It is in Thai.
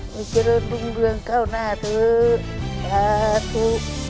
มีเกรดดุงดึงเข้านาธุ